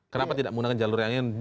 kenapa tidak menggunakan jalur yang lain